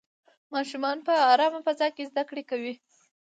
ماشومان په ارامه فضا کې زده کړې کوي.